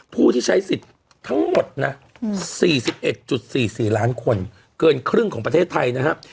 ผู้ที่ใช้สิทธิ์ทั้งหมดนะสี่สิบเอ็ดจุดสี่สี่ล้านคนเกินครึ่งของประเทศไทยนะฮะ